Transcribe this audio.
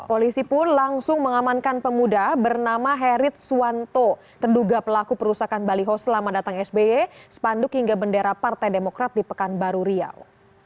polisi pun langsung mengamankan pemuda bernama herit suwanto terduga pelaku perusakan baliho selama datang sby spanduk hingga bendera partai demokrat di pekanbaru riau